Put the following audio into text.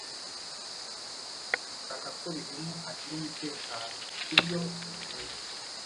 Urashaka ko Bihemu agira umutekano, sibyo?